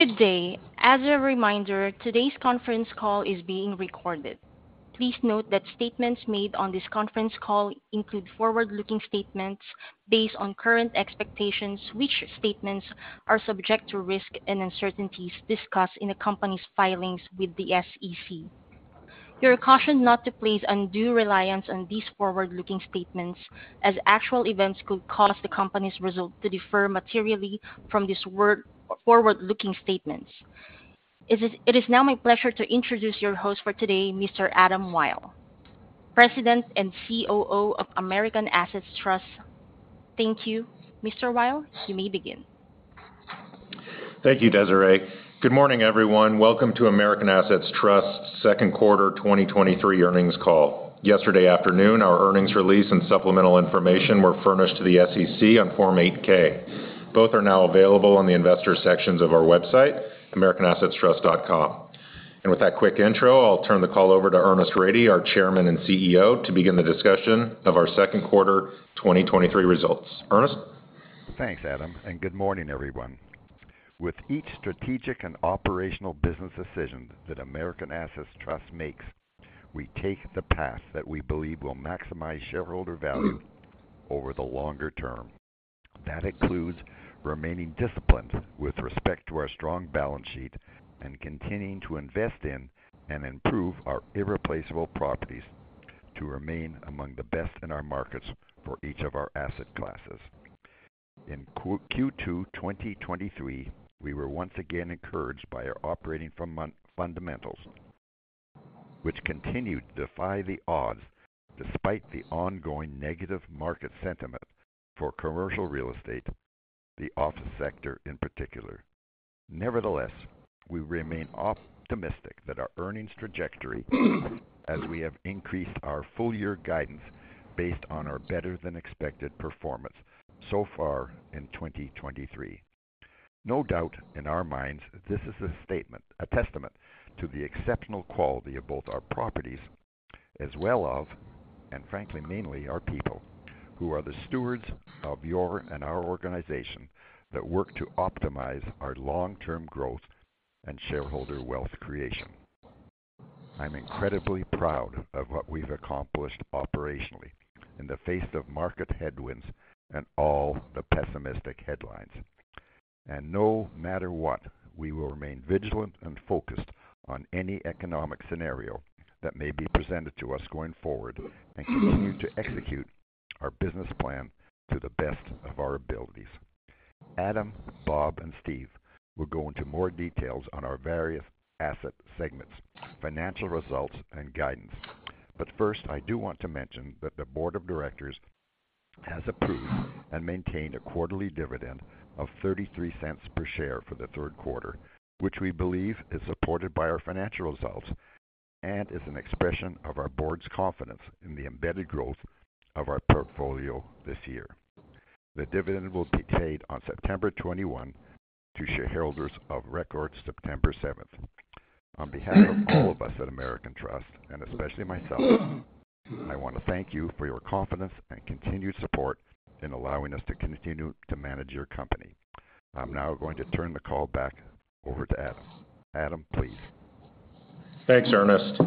Good day. As a reminder, today's conference call is being recorded. Please note that statements made on this conference call include forward-looking statements based on current expectations, which statements are subject to risks and uncertainties discussed in the company's filings with the SEC. You are cautioned not to place undue reliance on these forward-looking statements, as actual events could cause the company's results to differ materially from these forward-looking statements. It is now my pleasure to introduce your host for today, Mr. Adam Wyll, President and COO of American Assets Trust. Thank you. Mr. Wyll, you may begin. Thank you, Deseray. Good morning, everyone. Welcome to American Assets Trust's second quarter 2023 earnings call. Yesterday afternoon, our earnings release and supplemental information were furnished to the SEC on Form 8-K. Both are now available on the Investors sections of our website, americanassetstrust.com. With that quick intro, I'll turn the call over to Ernest Rady, our Chairman and CEO, to begin the discussion of our second quarter 2023 results. Ernest? Thanks, Adam. Good morning, everyone. With each strategic and operational business decision that American Assets Trust makes, we take the path that we believe will maximize shareholder value over the longer term. That includes remaining disciplined with respect to our strong balance sheet and continuing to invest in and improve our irreplaceable properties to remain among the best in our markets for each of our asset classes. In Q2 2023, we were once again encouraged by our operating fundamentals, which continued to defy the odds despite the ongoing negative market sentiment for commercial real estate, the office sector in particular. We remain optimistic that our earnings trajectory, as we have increased our full-year guidance based on our better-than-expected performance so far in 2023. No doubt in our minds, this is a statement, a testament to the exceptional quality of both our properties as well as, and frankly, mainly our people, who are the stewards of your and our organization, that work to optimize our long-term growth and shareholder wealth creation. I'm incredibly proud of what we've accomplished operationally in the face of market headwinds and all the pessimistic headlines. No matter what, we will remain vigilant and focused on any economic scenario that may be presented to us going forward, and continue to execute our business plan to the best of our abilities. Adam, Bob, and Steve will go into more details on our various asset segments, financial results, and guidance. First, I do want to mention that the board of directors has approved and maintained a quarterly dividend of $0.33 per share for the third quarter, which we believe is supported by our financial results and is an expression of our board's confidence in the embedded growth of our portfolio this year. The dividend will be paid on September 21, to shareholders of record, September 7th. On behalf of all of us at American Assets Trust, and especially myself, I want to thank you for your confidence and continued support in allowing us to continue to manage your company. I'm now going to turn the call back over to Adam. Adam, please. Thanks, Ernest.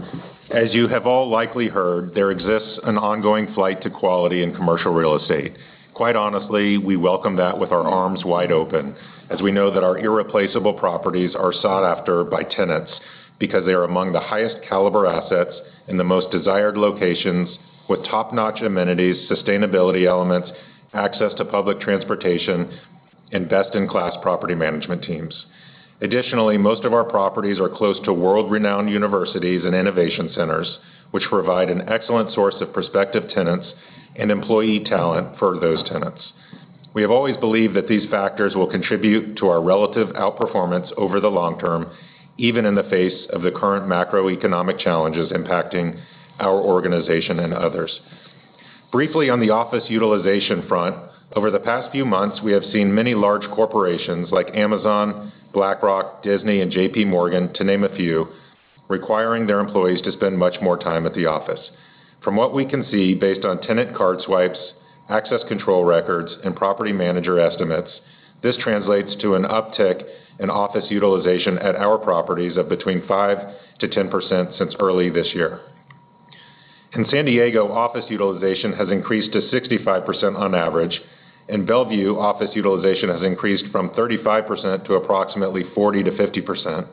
As you have all likely heard, there exists an ongoing flight to quality in commercial real estate. Quite honestly, we welcome that with our arms wide open, as we know that our irreplaceable properties are sought after by tenants, because they are among the highest caliber assets in the most desired locations, with top-notch amenities, sustainability elements, access to public transportation, and best-in-class property management teams. Additionally, most of our properties are close to world-renowned universities and innovation centers, which provide an excellent source of prospective tenants and employee talent for those tenants. We have always believed that these factors will contribute to our relative outperformance over the long term, even in the face of the current macroeconomic challenges impacting our organization and others. Briefly, on the office utilization front, over the past few months, we have seen many large corporations like Amazon, BlackRock, Disney, and JP Morgan, to name a few, requiring their employees to spend much more time at the office. From what we can see, based on tenant card swipes, access control records, and property manager estimates, this translates to an uptick in office utilization at our properties of between 5% to 10% since early this year. In San Diego, office utilization has increased to 65% on average. In Bellevue, office utilization has increased from 35% to approximately 40% to 50%.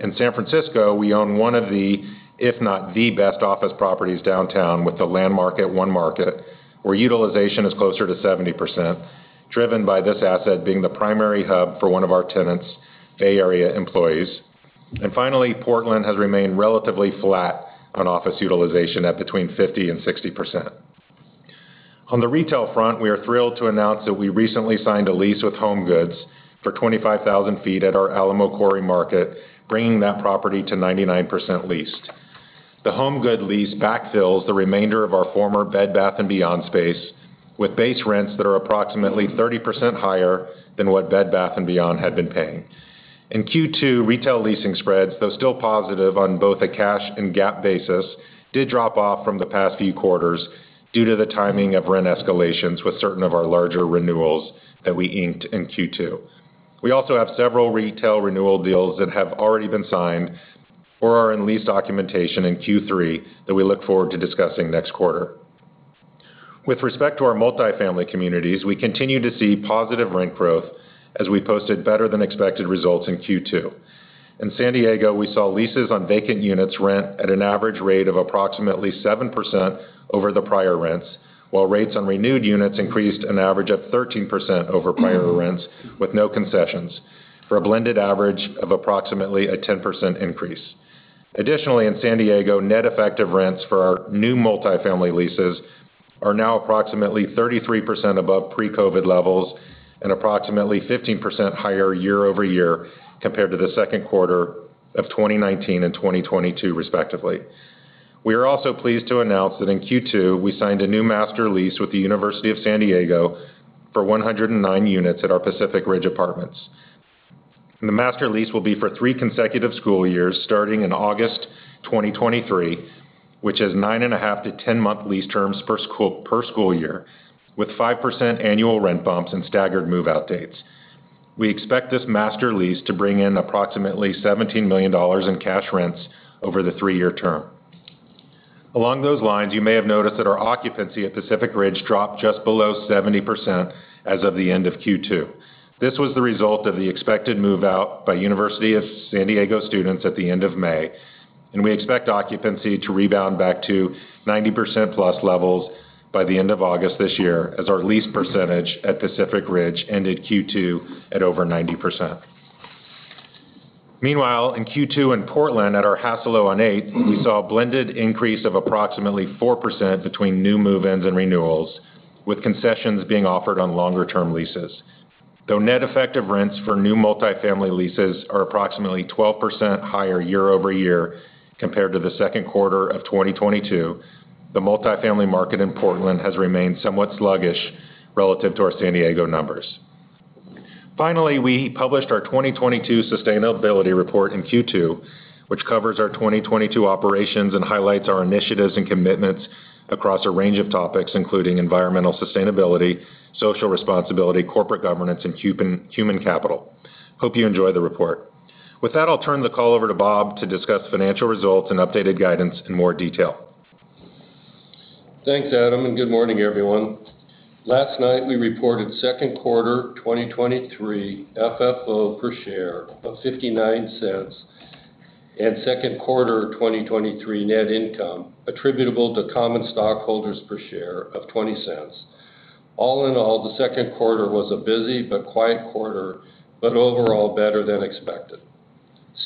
In San Francisco, we own one of the, if not, the best office properties downtown, with the landmark at One Market, where utilization is closer to 70%, driven by this asset being the primary hub for one of our tenants, Bay Area employees. Finally, Portland has remained relatively flat on office utilization at between 50% and 60%. On the retail front, we are thrilled to announce that we recently signed a lease with HomeGoods for 25,000 sq ft at our Alamo Quarry Market, bringing that property to 99% leased. The HomeGoods lease backfills the remainder of our former Bed Bath & Beyond space, with base rents that are approximately 30% higher than what Bed Bath & Beyond had been paying. In Q2, retail leasing spreads, though still positive on both a cash and GAAP basis, did drop off from the past few quarters due to the timing of rent escalations with certain of our larger renewals that we inked in Q2. We also have several retail renewal deals that have already been signed or are in lease documentation in Q3 that we look forward to discussing next quarter. With respect to our multifamily communities, we continue to see positive rent growth as we posted better-than-expected results in Q2. In San Diego, we saw leases on vacant units rent at an average rate of approximately 7% over the prior rents, while rates on renewed units increased an average of 13% over prior rents, with no concessions, for a blended average of approximately a 10% increase. Additionally, in San Diego, net effective rents for our new multifamily leases are now approximately 33% above pre-COVID levels and approximately 15% higher year-over-year compared to the second quarter of 2019 and 2022 respectively. We are also pleased to announce that in Q2, we signed a new master lease with the University of San Diego for 109 units at our Pacific Ridge Apartments. The master lease will be for three consecutive school years, starting in August 2023, which is 9.5-10-month lease terms per school year, with 5% annual rent bumps and staggered move-out dates. We expect this master lease to bring in approximately $17 million in cash rents over the three-year term. Along those lines, you may have noticed that our occupancy at Pacific Ridge dropped just below 70% as of the end of Q2. This was the result of the expected move-out by University of San Diego students at the end of May, and we expect occupancy to rebound back to 90%+ levels by the end of August this year, as our lease percentage at Pacific Ridge ended Q2 at over 90%. Meanwhile, in Q2 in Portland, at our Hassalo on Eighth, we saw a blended increase of approximately 4% between new move-ins and renewals, with concessions being offered on longer-term leases. Though net effective rents for new multifamily leases are approximately 12% higher year-over-year compared to the second quarter of 2022, the multifamily market in Portland has remained somewhat sluggish relative to our San Diego numbers. Finally, we published our 2022 sustainability report in Q2, which covers our 2022 operations and highlights our initiatives and commitments across a range of topics, including environmental sustainability, social responsibility, corporate governance, and human capital. Hope you enjoy the report. With that, I'll turn the call over to Bob to discuss financial results and updated guidance in more detail. Thanks, Adam. Good morning, everyone. Last night, we reported second quarter 2023 FFO per share of $0.59 and second quarter 2023 net income attributable to common stockholders per share of $0.20. All in all, the second quarter was a busy but quiet quarter, but overall, better than expected.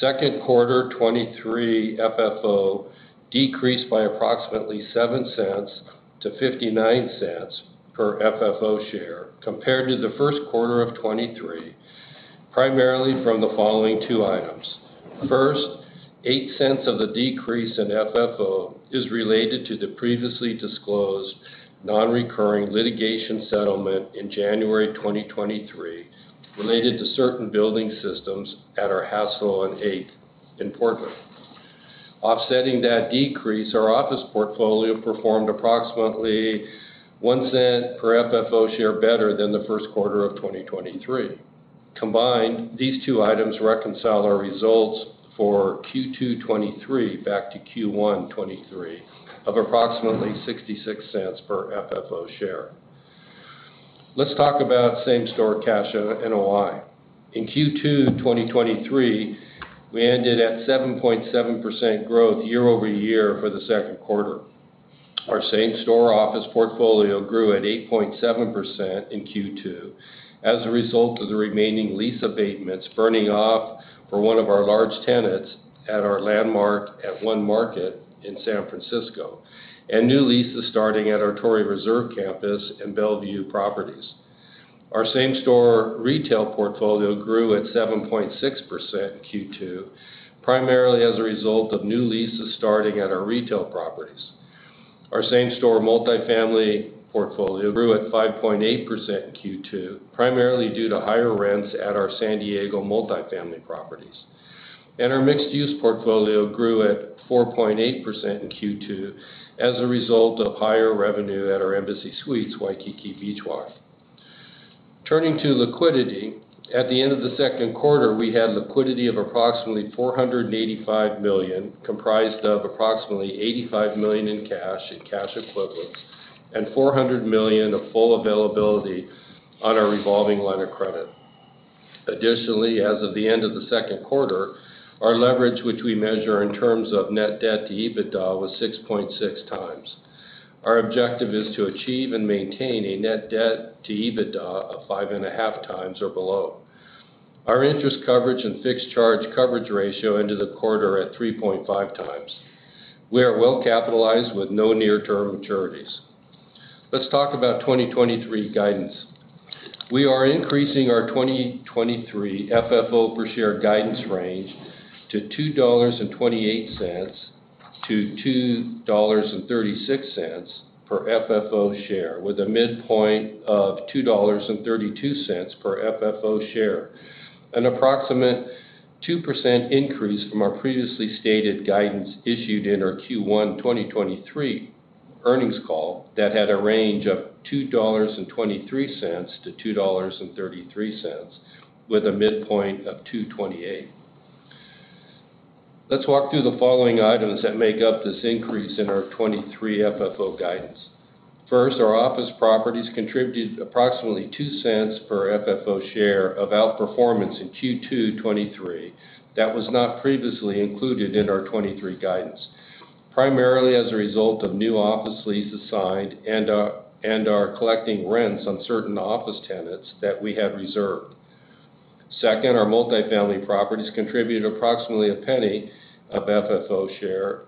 Second quarter 2023 FFO decreased by approximately $0.07 to $0.59 per FFO share compared to the first quarter of 2023, primarily from the following two items. First, $0.08 of the decrease in FFO is related to the previously disclosed non-recurring litigation settlement in January 2023, related to certain building systems at our Hassalo on Eighth in Portland. Offsetting that decrease, our office portfolio performed approximately $0.01 per FFO share better than the first quarter of 2023. Combined, these two items reconcile our results for Q2 2023 back to Q1 2023 of approximately $0.66 per FFO share. Let's talk about same-store cash NOI. In Q2 2023, we ended at 7.7% growth year-over-year for the second quarter. Our same-store office portfolio grew at 8.7% in Q2 as a result of the remaining lease abatements burning off for one of our large tenants at our landmark at One Market in San Francisco, and new leases starting at our Torrey Reserve campus and Bellevue properties. Our same-store retail portfolio grew at 7.6% in Q2, primarily as a result of new leases starting at our retail properties. Our same-store multifamily portfolio grew at 5.8% in Q2, primarily due to higher rents at our San Diego multifamily properties. Our mixed-use portfolio grew at 4.8% in Q2 as a result of higher revenue at our Embassy Suites, Waikiki Beach Walk. Turning to liquidity, at the end of the second quarter, we had liquidity of approximately $485 million, comprised of approximately $85 million in cash and cash equivalents, and $400 million of full availability on our revolving line of credit. Additionally, as of the end of the second quarter, our leverage, which we measure in terms of net debt-to-EBITDA, was 6.6x. Our objective is to achieve and maintain a net debt-to-EBITDA of 5.5x or below. Our interest coverage and fixed charge coverage ratio into the quarter at 3.5x. We are well capitalized with no near-term maturities. Let's talk about 2023 guidance. We are increasing our 2023 FFO per share guidance range to $2.28-$2.36 per FFO share, with a midpoint of $2.32 per FFO share, an approximate 2% increase from our previously stated guidance issued in our Q1 2023. earnings call that had a range of $2.23-$2.33, with a midpoint of $2.28. Let's walk through the following items that make up this increase in our 2023 FFO guidance. First, our office properties contributed approximately $0.02 per FFO share of outperformance in Q2 2023. That was not previously included in our 2023 guidance, primarily as a result of new office leases signed and are collecting rents on certain office tenants that we have reserved. Second, our multifamily properties contributed approximately a penny of FFO share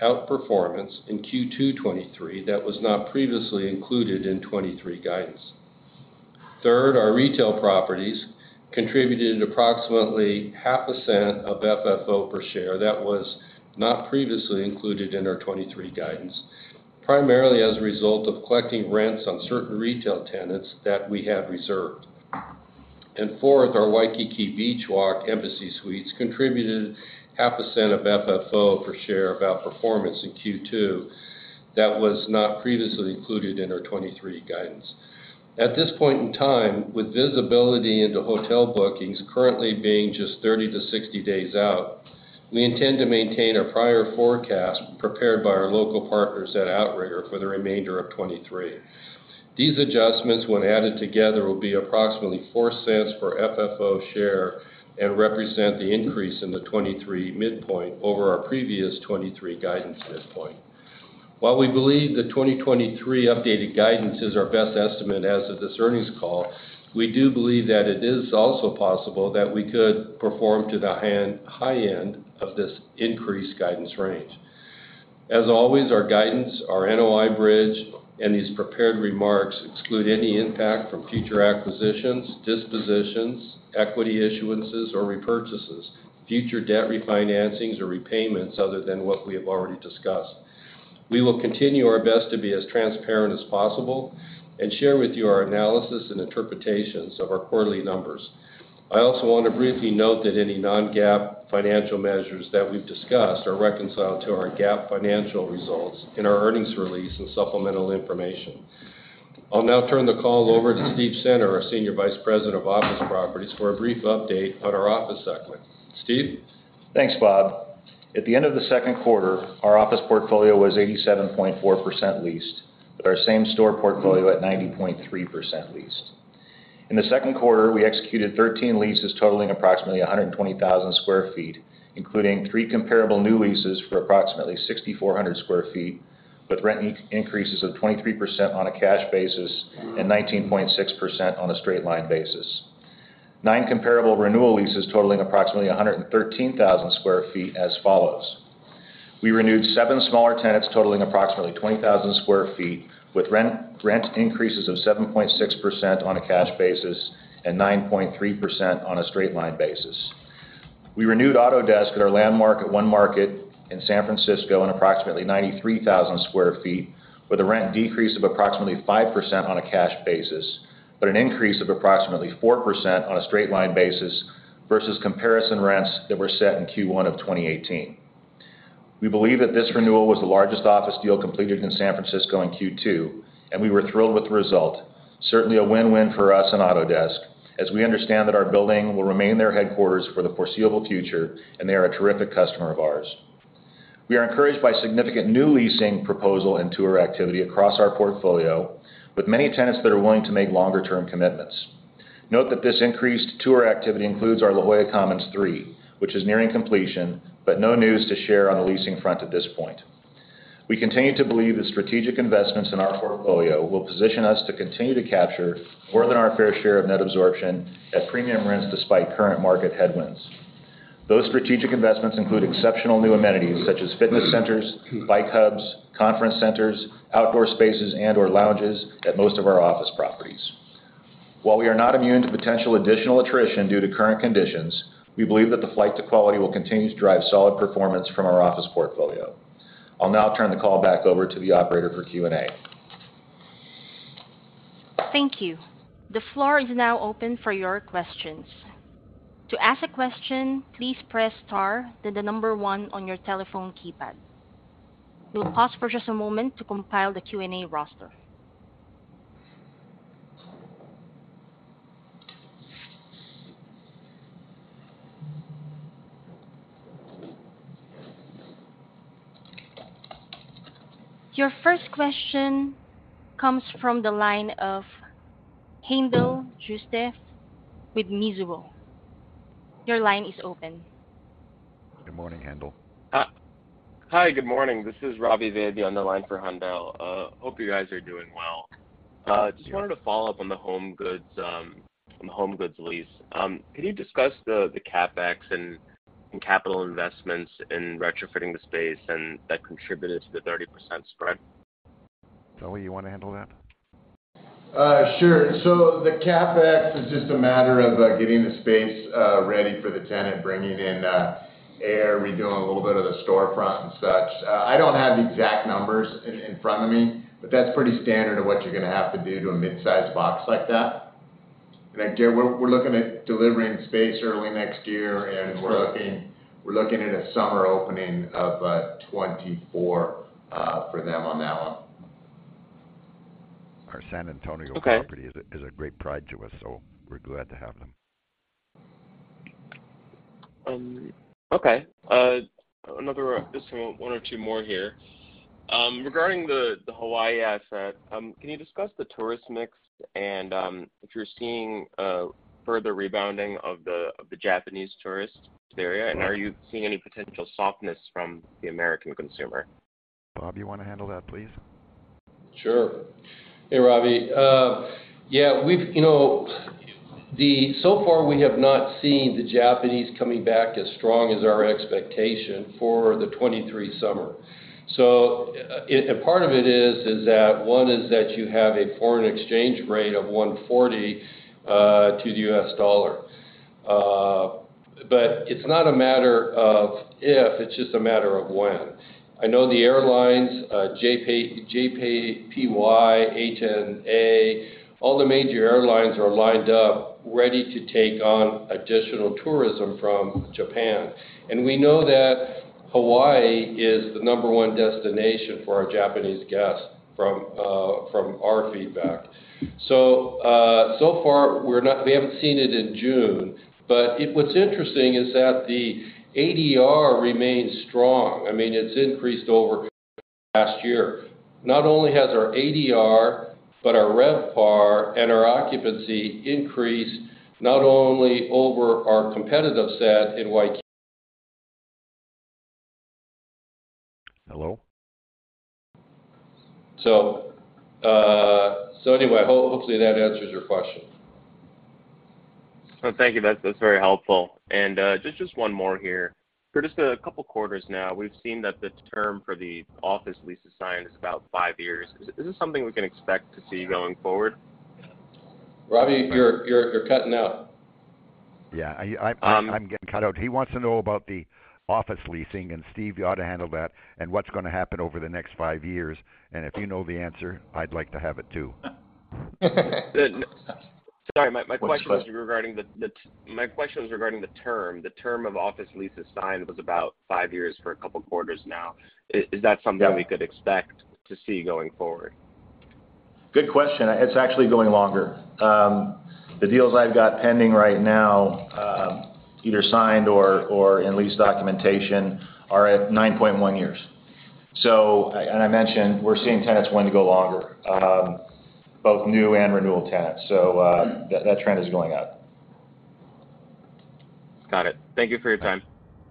of outperformance in Q2 2023 that was not previously included in 2023 guidance. Third, our retail properties contributed approximately half a cent of FFO per share that was not previously included in our 2023 guidance, primarily as a result of collecting rents on certain retail tenants that we have reserved. Fourth, our Waikiki Beach Walk Embassy Suites contributed half a cent of FFO per share of outperformance in Q2. That was not previously included in our 2023 guidance. At this point in time, with visibility into hotel bookings currently being just 30 to 60 days out, we intend to maintain our prior forecast prepared by our local partners at Outrigger for the remainder of 2023. These adjustments, when added together, will be approximately $0.04 per FFO share and represent the increase in the 2023 midpoint over our previous 2023 guidance midpoint. While we believe the 2023 updated guidance is our best estimate as of this earnings call, we do believe that it is also possible that we could perform to the high end of this increased guidance range. As always, our guidance, our NOI bridge, and these prepared remarks exclude any impact from future acquisitions, dispositions, equity issuances, or repurchases, future debt refinancings or repayments other than what we have already discussed. We will continue our best to be as transparent as possible and share with you our analysis and interpretations of our quarterly numbers. I also want to briefly note that any non-GAAP financial measures that we've discussed are reconciled to our GAAP financial results in our earnings release and supplemental information. I'll now turn the call over to Steve Center, our Senior Vice President of Office Properties, for a brief update on our office segment. Steve? Thanks, Bob. At the end of the second quarter, our office portfolio was 87.4% leased, with our same-store portfolio at 90.3% leased. In the second quarter, we executed 13 leases totaling approximately 120,000 sq ft, including three comparable new leases for approximately 6,400 sq ft, with rent increases of 23% on a cash basis and 19.6% on a straight-line basis. Nine comparable renewal leases totaling approximately 113,000 sq ft as follows: We renewed seven smaller tenants, totaling approximately 20,000 sq ft, with rent increases of 7.6% on a cash basis and 9.3% on a straight-line basis. We renewed Autodesk at our landmark at One Market in San Francisco, in approximately 93,000 sq ft, with a rent decrease of approximately 5% on a cash basis, an increase of approximately 4% on a straight-line basis versus comparison rents that were set in Q1 of 2018. We believe that this renewal was the largest office deal completed in San Francisco in Q2, and we were thrilled with the result. Certainly a win-win for us and Autodesk, as we understand that our building will remain their headquarters for the foreseeable future, and they are a terrific customer of ours. We are encouraged by significant new leasing proposal and tour activity across our portfolio, with many tenants that are willing to make longer-term commitments. Note that this increased tour activity includes our La Jolla Commons III, which is nearing completion. No news to share on the leasing front at this point. We continue to believe that strategic investments in our portfolio will position us to continue to capture more than our fair share of net absorption at premium rents, despite current market headwinds. Those strategic investments include exceptional new amenities such as fitness centers, bike hubs, conference centers, outdoor spaces, and/or lounges at most of our office properties. While we are not immune to potential additional attrition due to current conditions, we believe that the flight to quality will continue to drive solid performance from our office portfolio. I'll now turn the call back over to the operator for Q&A. Thank you. The floor is now open for your questions. To ask a question, please press star, then one on your telephone keypad. We'll pause for just a moment to compile the Q&A roster. Your first question comes from the line of Haendel St. Juste with Mizuho. Your line is open. Good morning, Haendel. Hi, good morning. This is Ravi Vaidya on the line for Haendel. Hope you guys are doing well. Just wanted to follow up on the HomeGoods lease. Can you discuss the CapEx and capital investments in retrofitting the space and that contributed to the 30% spread? Bob, you want to handle that? Sure. The CapEx is just a matter of getting the space ready for the tenant, bringing in the air, redoing a little bit of the storefront and such. I don't have exact numbers in front of me, but that's pretty standard of what you're gonna have to do to a mid-size box like that. ... Again, we're looking at delivering space early next year, and we're looking at a summer opening of 2024 for them on that one. Our San Antonio- Okay. Property is a, is a great pride to us, so we're glad to have them. Okay. Another, just one or two more here. Regarding the Hawaii asset, can you discuss the tourist mix and if you're seeing further rebounding of the Japanese tourists to the area? Are you seeing any potential softness from the American consumer? Bob, you wanna handle that, please? Sure. Hey, Ravi. Yeah, we've, you know, so far we have not seen the Japanese coming back as strong as our expectation for the 23 summer. Part of it is that one, is that you have a foreign exchange rate of 140 to the U.S. dollar. It's not a matter of if, it's just a matter of when. I know the airlines, JAL, ANA all the major airlines are lined up, ready to take on additional tourism from Japan. We know that Hawaii is the number one destination for our Japanese guests from our feedback. So far, we haven't seen it in June. What's interesting is that the ADR remains strong. I mean, it's increased over last year. Not only has our ADR, but our RevPAR and our occupancy increased, not only over our competitive set in Waikiki. Hello? Anyway, hopefully, that answers your question. Oh, thank you. That's very helpful. Just one more here. For just a couple of quarters now, we've seen that the term for the office lease assigned is about five years. Is this something we can expect to see going forward? Robbie, you're cutting out. Yeah, I'm getting cut out. He wants to know about the office leasing, and Steve, you ought to handle that, and what's gonna happen over the next five years. If you know the answer, I'd like to have it, too. Sorry, My question was regarding the term. The term of office leases signed was about five years for a couple of quarters now. Is that something- Yeah we could expect to see going forward? Good question. It's actually going longer. The deals I've got pending right now, either signed or in lease documentation, are at 9.1 years. I mentioned, we're seeing tenants wanting to go longer, both new and renewal tenants. That trend is going up. Got it. Thank you for your time.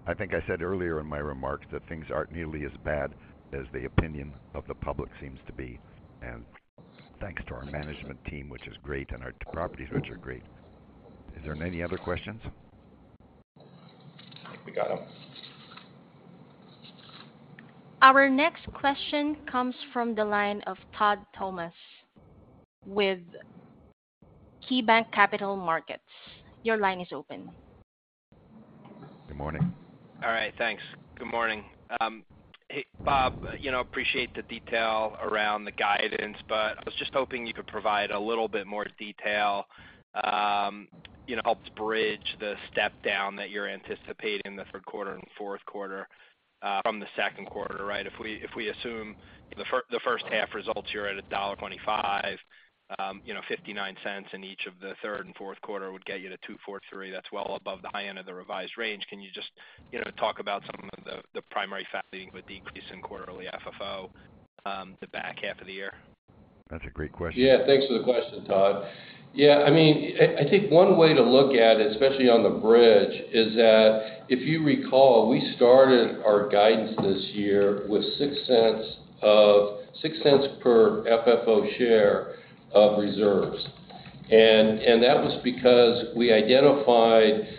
I think I said earlier in my remarks that things aren't nearly as bad as the opinion of the public seems to be. Thanks to our management team, which is great, and our properties, which are great. Is there any other questions? I think I got them. Our next question comes from the line of Todd Thomas with KeyBanc Capital Markets. Your line is open. Good morning. All right, thanks. Good morning. Hey, Bob, you know, appreciate the detail around the guidance. I was just hoping you could provide a little bit more detail, you know, help to bridge the step down that you're anticipating in the third quarter and fourth quarter from the second quarter, right? If we assume the first half results, you're at $1.25, you know, $0.59 in each of the third and fourth quarter would get you to $2.43. That's well above the high end of the revised range. Can you just, you know, talk about some of the primary factors leading to a decrease in quarterly FFO the back half of the year? That's a great question. Thanks for the question, Todd. I mean, I think one way to look at it, especially on the bridge, is that if you recall, we started our guidance this year with $0.06 per FFO share of reserves. That was because we identified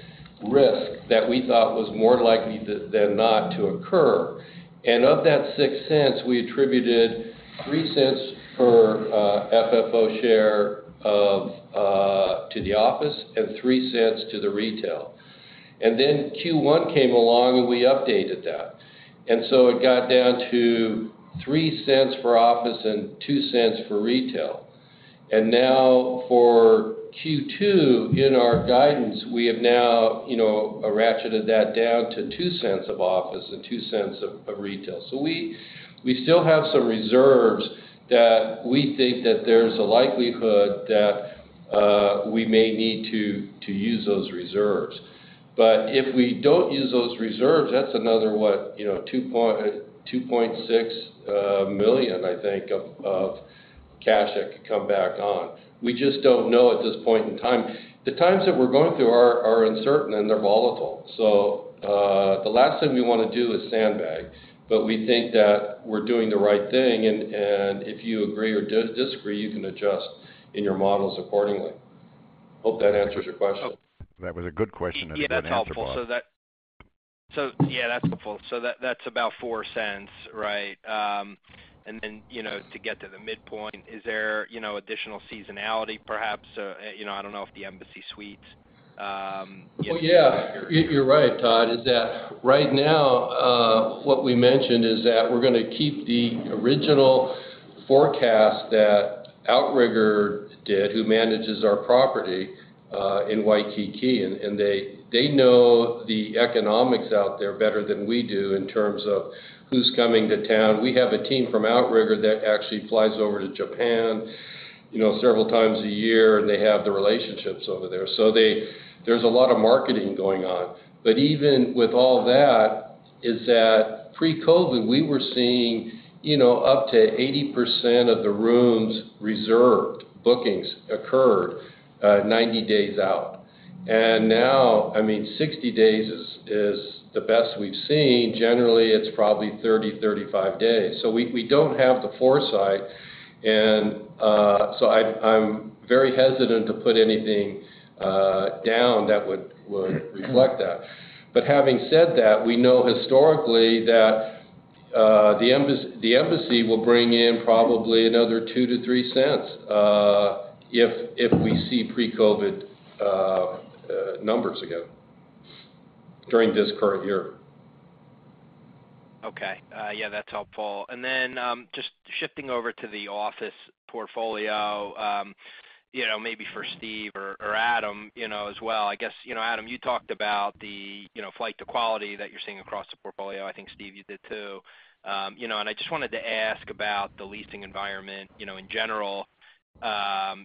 risk that we thought was more likely than not to occur. Of that $0.06, we attributed $0.03 per FFO share to the office and $0.03 to the retail. Q1 came along, and we updated that. It got down to $0.03 for office and $0.02 for retail. Now for Q2, in our guidance, we have now, you know, ratcheted that down to $0.02 of office and $0.02 of retail. We still have some reserves that we think that there's a likelihood that we may need to use those reserves. If we don't use those reserves, that's another what? You know, $2.6 million, I think, of cash that could come back on. We just don't know at this point in time. The times that we're going through are uncertain, and they're volatile. The last thing we wanna do is sandbag, but we think that we're doing the right thing, and if you agree or disagree, you can adjust in your models accordingly. Hope that answers your question.. That was a good question, and a good answer, Bob. Yeah, that's helpful. That, that's about $0.04, right? Then, you know, to get to the midpoint, is there, you know, additional seasonality, perhaps? you know, I don't know if the Embassy Suites. Well, yeah, you're right, Todd. Is that right now, what we mentioned is that we're gonna keep the original forecast that Outrigger did, who manages our property, in Waikiki, and they know the economics out there better than we do in terms of who's coming to town. We have a team from Outrigger that actually flies over to Japan, you know, several times a year, and they have the relationships over there. There's a lot of marketing going on. Even with all that, pre-COVID, we were seeing, you know, up to 80% of the rooms reserved, bookings occurred, 90 days out. Now, I mean, 60 days is the best we've seen. Generally, it's probably 30-35 days. We don't have the foresight, and I'm very hesitant to put anything down that would reflect that. Having said that, we know historically that the Embassy will bring in probably another $0.02-$0.03 if we see pre-COVID numbers again during this current year. Okay. Yeah, that's helpful. Just shifting over to the office portfolio, you know, maybe for Steve or Adam, you know, as well. I guess, you know, Adam, you talked about the, you know, flight to quality that you're seeing across the portfolio. I think, Steve, you did, too. You know, I just wanted to ask about the leasing environment, you know, in general,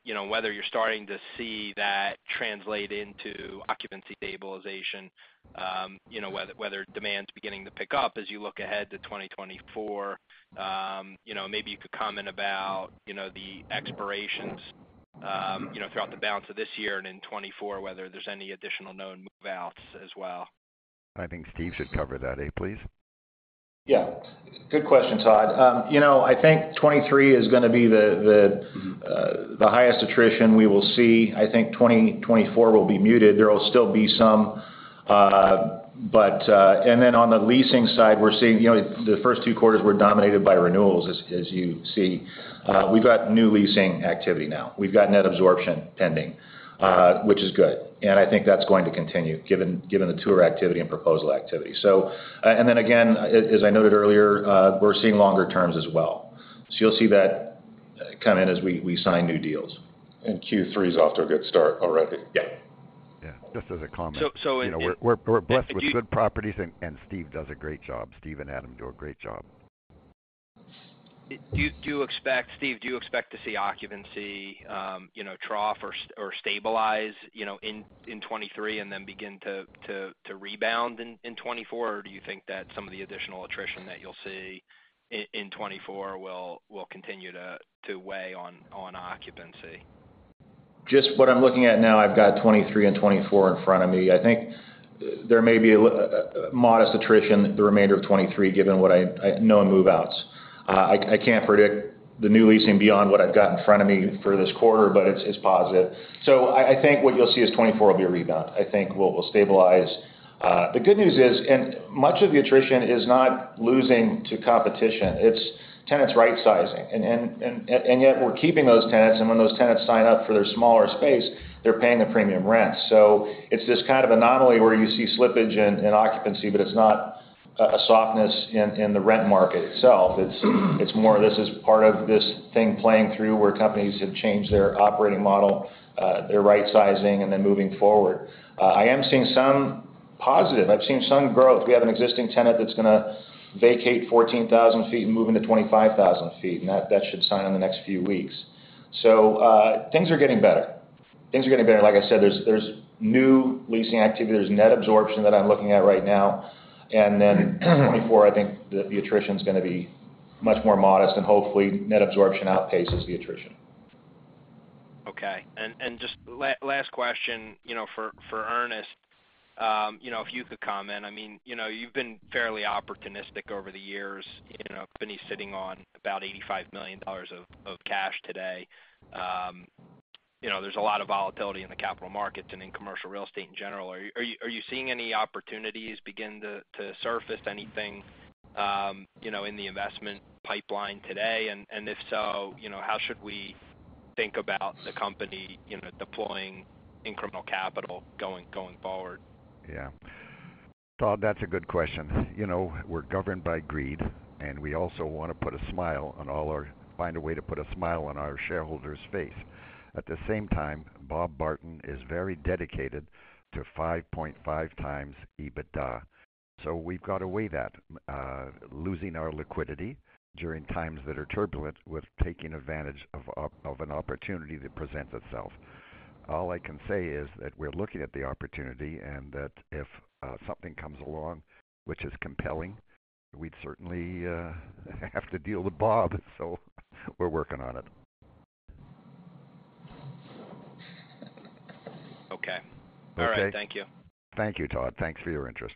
you know, whether you're starting to see that translate into occupancy stabilization, you know, whether demand's beginning to pick up as you look ahead to 2024. You know, maybe you could comment about, you know, the expirations, you know, throughout the balance of this year and in 2024, whether there's any additional known move-outs as well. I think Steve should cover that. A, please. Yeah. Good question, Todd. you know, I think 2023 is gonna be the highest attrition we will see. I think 2024 will be muted. There will still be some, but... On the leasing side, we're seeing, you know, the two quarters were dominated by renewals, as you see. We've got new leasing activity now. We've got net absorption pending, which is good, and I think that's going to continue, given the tour activity and proposal activity. Again, as I noted earlier, we're seeing longer terms as well. You'll see that come in as we sign new deals. Q3 is off to a good start already. Yeah. Yeah, just as a comment. So, so, and- You know, we're blessed with good properties, and Steve does a great job. Steve and Adam do a great job. Do you expect, Steve, do you expect to see occupancy, you know, trough or stabilize, you know, in 2023 and then begin to rebound in 2024? Or do you think that some of the additional attrition that you'll see in 2024 will continue to weigh on occupancy? Just what I'm looking at now, I've got 23 and 24 in front of me. I think there may be a modest attrition, the remainder of 23, given what I know in move-outs. I can't predict the new leasing beyond what I've got in front of me for this quarter, but it's positive. I think what you'll see is 2024 will be a rebound. I think we'll stabilize. The good news is, much of the attrition is not losing to competition, it's tenants rightsizing. Yet we're keeping those tenants, and when those tenants sign up for their smaller space, they're paying the premium rent. It's this kind of anomaly where you see slippage in occupancy, but it's not a softness in the rent market itself. It's more this is part of this thing playing through, where companies have changed their operating model, they're rightsizing and then moving forward. I am seeing some positive. I've seen some growth. We have an existing tenant that's gonna vacate 14,000 feet and move into 25,000 feet, that should sign in the next few weeks. Things are getting better. Things are getting better. Like I said, there's new leasing activity. There's net absorption that I'm looking at right now. Then, 2024, I think the attrition's gonna be much more modest, and hopefully, net absorption outpaces the attrition. Okay. Just last question, you know, for Ernest, you know, if you could comment. I mean, you know, you've been fairly opportunistic over the years, you know, company sitting on about $85 million of cash today. You know, there's a lot of volatility in the capital markets and in commercial real estate in general. Are you seeing any opportunities begin to surface anything, you know, in the investment pipeline today? If so, you know, how should we think about the company, you know, deploying incremental capital going forward? Todd, that's a good question. You know, we're governed by greed, and we also want to find a way to put a smile on our shareholders' face. At the same time, Bob Barton is very dedicated to 5.5 times EBITDA, so we've got to weigh that, losing our liquidity during times that are turbulent, with taking advantage of an opportunity that presents itself. All I can say is that we're looking at the opportunity. If something comes along which is compelling, we'd certainly have to deal with Bob. We're working on it. Okay. Okay? All right. Thank you. Thank you, Todd. Thanks for your interest.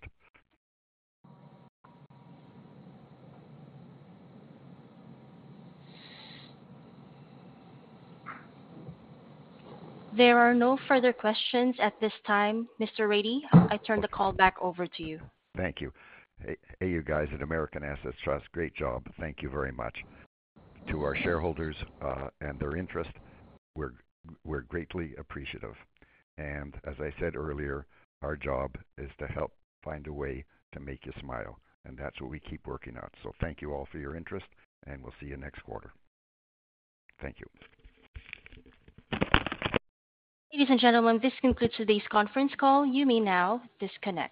There are no further questions at this time. Mr. Rady, I turn the call back over to you. Thank you. Hey, you guys at American Assets Trust, great job. Thank you very much. To our shareholders, and their interest, we're greatly appreciative. As I said earlier, our job is to help find a way to make you smile. That's what we keep working on. Thank you all for your interest. We'll see you next quarter. Thank you. Ladies and gentlemen, this concludes today's conference call. You may now disconnect.